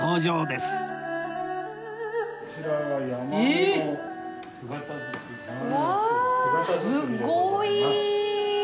すごい！